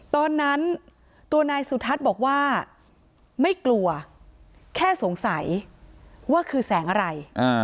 ตอนนั้นตัวนายสุทัศน์บอกว่าไม่กลัวแค่สงสัยว่าคือแสงอะไร